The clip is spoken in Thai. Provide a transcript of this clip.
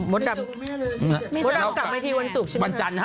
วันต่ำกลับไปทีวันสุขชิ้นเบลอ